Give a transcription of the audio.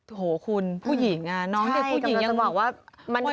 โอ้โฮคุณผู้หญิงน้องเด็กผู้หญิงยังห่วยรูปอยู่เลย